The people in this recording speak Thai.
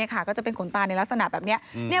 ก็จะเป็นขนตาในลักษณะแบบนี้